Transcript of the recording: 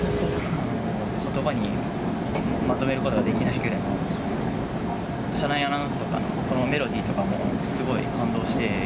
ことばにまとめることができないくらい、車内アナウンスとか、このメロディーとかもすごい感動